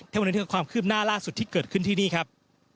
ทั้งหมดนี้คือความคืบหน้าล่าสุดที่เกิดขึ้นที่นี่ครับ